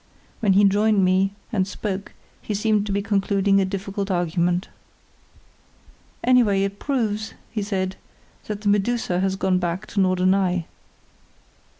When he joined me and spoke he seemed to be concluding a difficult argument. "Anyway, it proves," he said, "that the Medusa has gone back to Norderney.